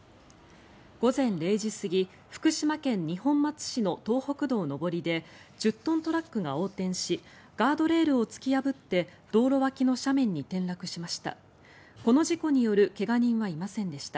午前０時過ぎ福島県二本松市の東北道上りで１０トントラックが横転しガードレールを突き破って道路脇の斜面に転落しました。